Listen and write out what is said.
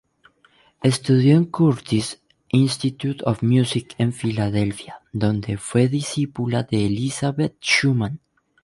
Estudió en Curtis Institute of Music en Filadelfia donde fue discípula de Elisabeth Schumann.